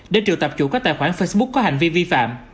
để trừ tạp chủ các tài khoản facebook có hành vi vi phạm